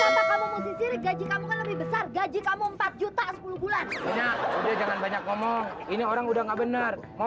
gaji kamu empat juta sepuluh bulan jangan banyak ngomong ini orang udah nggak bener mau